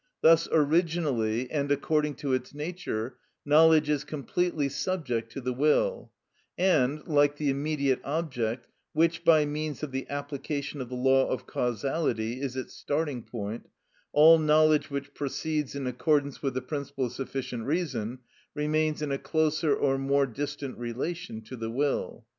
Thus originally and according to its nature, knowledge is completely subject to the will, and, like the immediate object, which, by means of the application of the law of causality, is its starting point, all knowledge which proceeds in accordance with the principle of sufficient reason remains in a closer or more distant relation to the will.